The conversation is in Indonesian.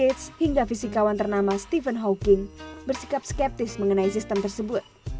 aids hingga fisikawan ternama stephen hawking bersikap skeptis mengenai sistem tersebut